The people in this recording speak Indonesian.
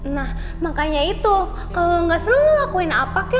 nah makanya itu kalo lo gak seneng lo lakuin apa kek